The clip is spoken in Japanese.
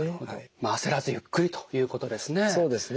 まあ焦らずゆっくりということですね。